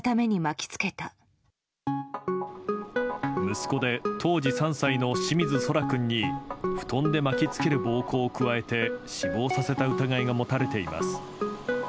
息子で当時３歳の清水奏良君に布団で巻きつける暴行を加えて死亡させた疑いが持たれています。